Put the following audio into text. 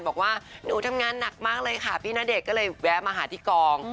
บอกว่าหนูทำงานหนักมากเลยค่ะพี่ณเดชน์ก็เลยแวะมาหาที่กอง